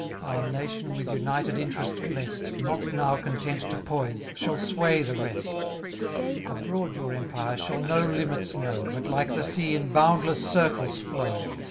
Our nation with united interest blest, Not now content to poise, shall sway the rest. Abroad your empire shall no limits know, But, like the sea, in boundless circles flow.